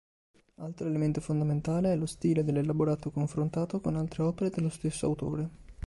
Altro elemento fondamentale è lo stile dell'elaborato confrontato con altre opere dello stesso autore.